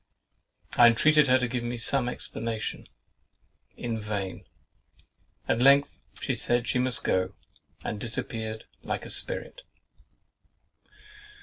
I intreated her to give me some explanation. In vain! At length she said she must go, and disappeared like a spirit.